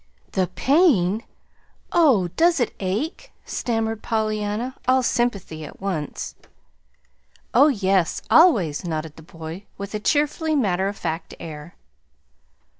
"The PAIN! Oh, does it ache?" stammered Pollyanna, all sympathy at once. "Oh, yes, always," nodded the boy, with a cheerfully matter of fact air.